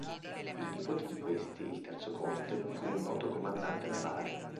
Il nipote di questi, il terzo conte, fu un noto comandante navale.